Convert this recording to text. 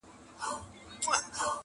هیله ده دخوښی وړمو وګرځی!!!!!